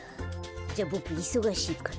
じゃあボクいそがしいから。